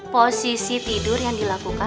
posisi tidur yang dilakukan